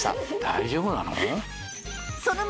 大丈夫なの？